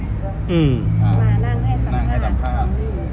มานั่งให้สัมภาพ